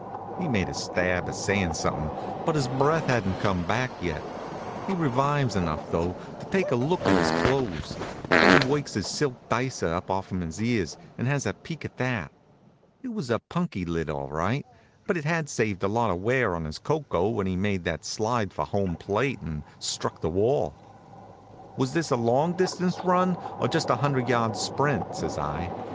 He makes a stab at sayin' something, but his breath hadn't come back yet. He revives enough though, to take a look at his clothes. Then he works his silk dicer up off'm his ears, and has a peek at that. It was a punky lid, all right, but it had saved a lot of wear on his koko when he made that slide for home plate and struck the wall. "Was this a long distance run, or just a hundred yard sprint?" says I.